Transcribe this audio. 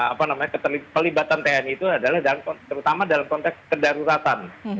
apa namanya pelibatan tni itu adalah terutama dalam konteks kedaruratan